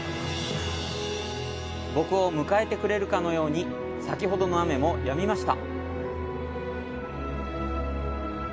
僕を迎えてくれるかのように先ほどの雨もやみました。